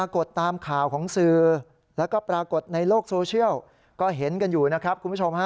คนในโลกโซเชียลก็เห็นกันอยู่นะครับคุณผู้ชม